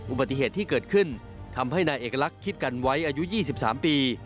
อุบัติเหตุที่เกิดขึ้นทำให้นายเอกลักษณ์คิดกันไว้อายุ๒๓ปี